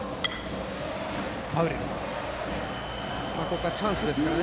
ここはチャンスですからね。